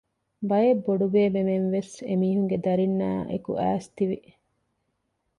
ބައެއް ބޮޑުބޭބެމެންވެސް އެމީހުންގެ ދަރިންނާއެކު އައިސް ތިވި